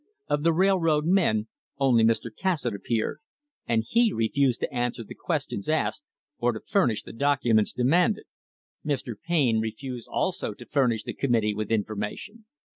Of the railroad men, only Mr. Cas satt appeared, and he refused to answer the questions asked or to furnish the documents demanded. Mr. Payne refused also to furnish the committee with information.